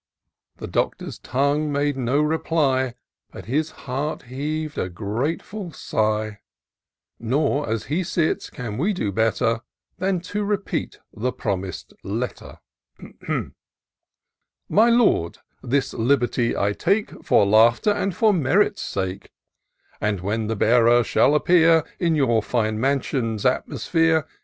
The Doctor's tongue made no reply, But his heart heav'd a grateful sigh; Nor, as he sits, can we do better Than to repeat the promis'd letter. " My Lord, " This liberty I take, For laughter and for merit's sake ; IN SEARCH OF THE PICTURESQUE. i And when the bearer shall appear In your fine mansion's atmosphere.